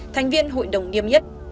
thành viên hội đồng niêm yết